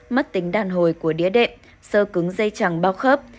mất tính đàn hồi của đĩa đệm sơ cứng dây chẳng bao khớp